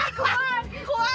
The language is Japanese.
怖い？